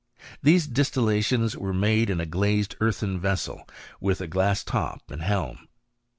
These distillations were made in a glazed earthen vessel with a glass top and hehn.